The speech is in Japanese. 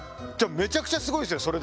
じゃあめちゃくちゃすごいですね